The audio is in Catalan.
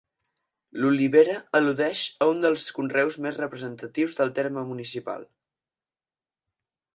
L'olivera al·ludeix a un dels conreus més representatius del terme municipal.